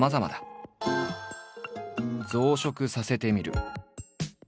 「増殖させてみる」